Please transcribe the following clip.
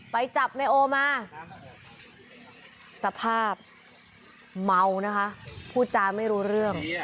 ไปจับนายโอมาสภาพเมานะคะพูดจาไม่รู้เรื่อง